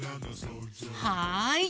はい！